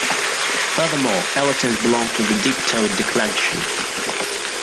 Furthermore, elatives belong to the diptote declension.